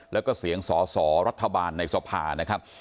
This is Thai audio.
แล้วก็เสียงสอสอรัฐบาลในสภานะครับ